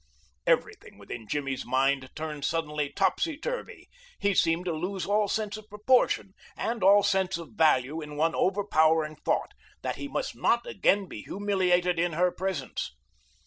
Everything within Jimmy's mind turned suddenly topsyturvy. He seemed to lose all sense of proportion and all sense of value in one overpowering thought, that he must not again be humiliated in her presence.